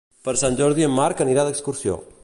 Per Sant Jordi en Marc irà d'excursió.